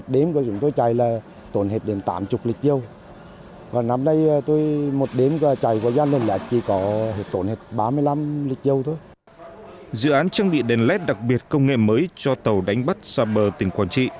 dự án trang bị đèn led đặc biệt công nghệ mới cho tàu đánh bắt xa bờ tỉnh quảng trị